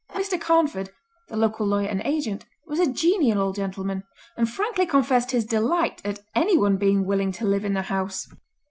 Mr. Carnford, the local lawyer and agent, was a genial old gentleman, and frankly confessed his delight at anyone being willing to live in the house.